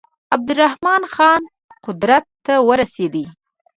عبدالرحمن خان قدرت ته ورسېدی.